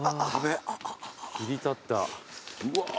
切り立った。